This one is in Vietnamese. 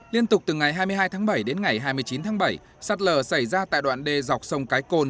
liên tục từ ngày hai mươi hai tháng bảy đến ngày hai mươi chín tháng bảy sạt lở xảy ra tại đoạn đê dọc sông cái côn